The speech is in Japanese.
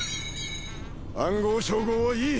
暗号照合はいい。